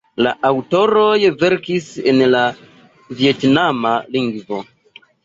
La aŭtoroj verkis en la vjetnama lingvo.